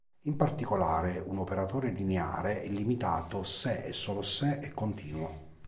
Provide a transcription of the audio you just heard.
In particolare, un operatore lineare è limitato se e solo se è continuo.